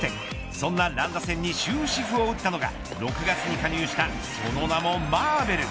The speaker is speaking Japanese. そんな乱打戦に終止符を打ったのが６月に加入したその名もマーベル。